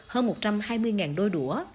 hơn một trăm hai mươi đôi đũa